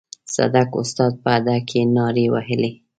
صدک استاد په هډه کې نارې وهلې.